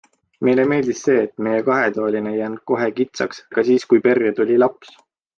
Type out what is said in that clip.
Meile meeldis see, et meie kahetoaline ei jäänud kohe kitsaks, ka siis kui perre tuli laps.